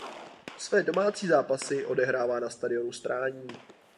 Své domácí zápasy odehrává na stadionu Strání.